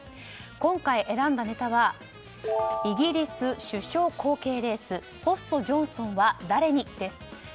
今回選んだネタはイギリス首相後継レースポストジョンソンは誰に、です。